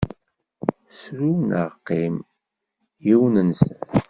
Sru neɣ qqim, yiwen-nsen.